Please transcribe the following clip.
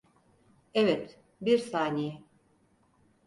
Evet, bir saniye.